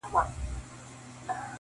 • له دوزخه د جنت مهمان را ووت ,